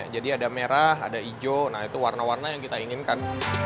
jadi ada merah ada hijau nah itu warna warna yang kita inginkan